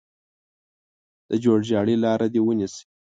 د جوړجاړي لاره دې ونیسي.